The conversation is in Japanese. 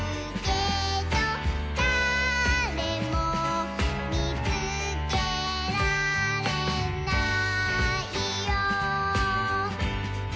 「だれもみつけられないよ」